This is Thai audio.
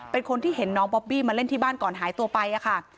เป็นคนที่เห็นน้องบอบบี้มาเล่นที่บ้านก่อนหายตัวไปค่ะ